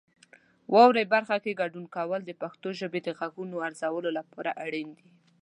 واورئ برخه کې ګډون کول د پښتو ژبې د غږونو ارزولو لپاره اړین دي.